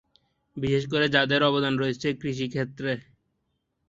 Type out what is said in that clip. বিশেষ করে যাদের অবদান রয়েছে কৃষিক্ষেত্রে।